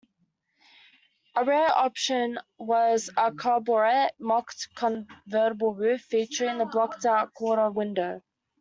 A rare option was a Cabriolet mock-convertible roof, featuring a blocked-out quarter window.